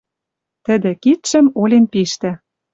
Тӹдӹ кидшӹм олен пиштӓ